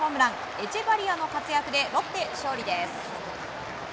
エチェバリアの活躍でロッテ、勝利です。